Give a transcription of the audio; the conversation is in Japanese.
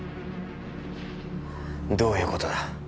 どういうことだ？